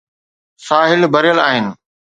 ساحل ڀريل آهن.